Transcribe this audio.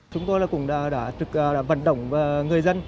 chúng tôi đã vận động người dân